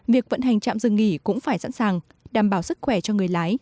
việc vận hành trạm dừng nghỉ cũng phải sẵn sàng đảm bảo sức khỏe cho người lái